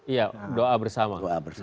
iya doa bersama